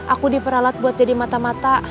aku diperalat buat jadi mata mata